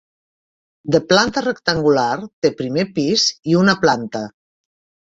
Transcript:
De planta rectangular, té primer pis i una planta.